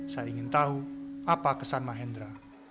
saya ingin tahu apa kesan mahendra